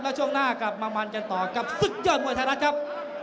แล้วช่วงหน้ากลับมามันกันต่อกับศึกยอดมวยไทยรัฐครับ